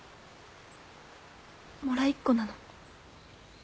もらいっ子なの。